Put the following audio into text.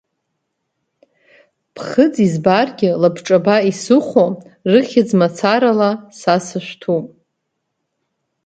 Ԥхыӡ избаргьы лабҿаба исыхәо, рыхьӡ мацарала са сышәҭуп.